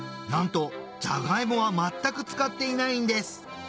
なんとじゃがいもは全く使っていないんです